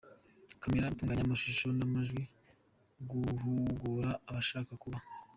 camera, gutunganya amashusho n’amajwi, guhugura abashaka kuba.